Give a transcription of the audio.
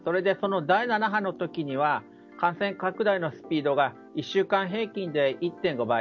第７波の時には感染拡大のスピードが１週間平均で１．５倍。